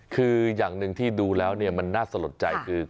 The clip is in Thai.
คืออย่างหนึ่งที่ดูแล้วเนี่ยมันน่าสะหรับใจคือ